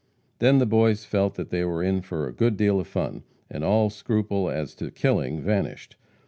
Then the boys felt that they were in for "a good deal of fun," and all scruple as to killing vanished.